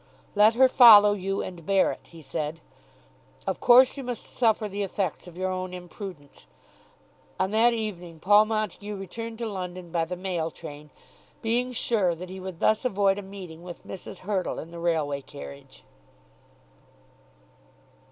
"Let her follow you, and bear it," he said. "Of course you must suffer the effects of your own imprudence." On that evening Paul Montague returned to London by the mail train, being sure that he would thus avoid a meeting with Mrs. Hurtle in the railway carriage.